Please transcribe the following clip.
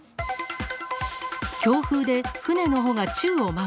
強風で船の帆が宙を舞う。